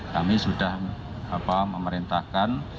kami sudah memerintahkan